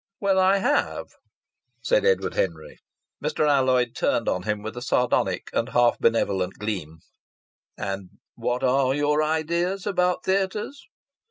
"Well, I have," said Edward Henry. Mr. Alloyd turned on him with a sardonic and half benevolent gleam. "And what are your ideas about theatres?"